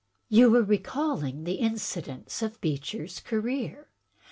You were recalling the incidents of Beecher's career.